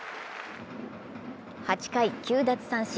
８回９奪三振